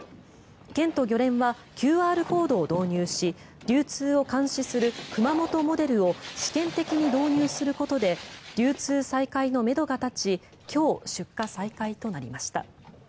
県と漁連はＱＲコードを導入し流通を監視する熊本モデルも試験的に導入することで流通再開のめどが立ち今日、出荷再開となりました。